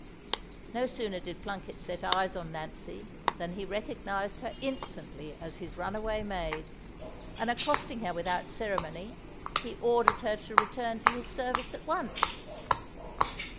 No sooner did Plunket set eyes on Nancy than he recognised her instantly as his runaway maid; and accosting her without ceremony, he ordered her to return to his service at once.